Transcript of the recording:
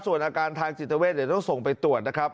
ส่วนอาการทางจิตเวทเดี๋ยวต้องส่งไปตรวจนะครับ